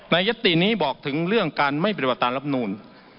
ในยัตตินี้บอกถึงเรื่องการไม่เปรียบประตานรับนูล